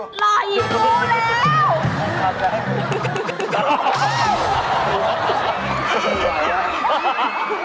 อร่อยดูแล้ว